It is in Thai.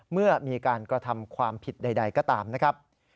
เมื่อมีการกระทำความผิดใดก็ตามนะครับ